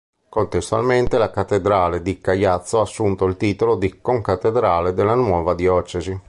Contestualmente la cattedrale di Caiazzo ha assunto il titolo di concattedrale della nuova diocesi.